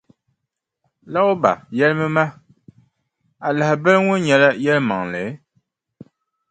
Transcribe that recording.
Louba yɛlimi ma, a lahabali ŋɔ nyɛla yɛlimaŋli?